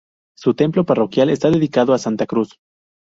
Su templo parroquial está dedicado a Santa Cruz.